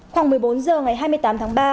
khoảng một mươi bốn h ngày hai mươi tám tháng ba